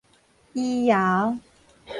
余姚